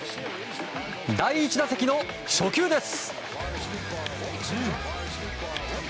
第１打席の初球です。